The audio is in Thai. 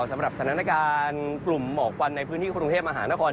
สำหรับสถานาการกลุ่มหมอกวันในพื้นที่พระมุทิเทพฯอาหารทศพ